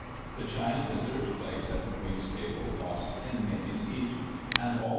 The china dessert plates at the Queen's table cost 10 guineas each, and all the J.